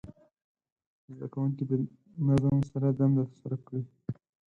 زده کوونکي د نظم سره دنده ترسره کړه.